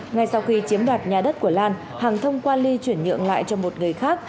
ngay sau khi chiếm đoạt nhà đất của lan hằng thông qua ly chuyển nhượng lại cho một người khác